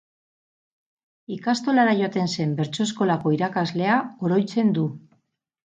Ikastolara joaten zen bertso eskolako irakaslea oroitzen du.